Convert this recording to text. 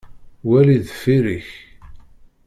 Wali deffir-ik.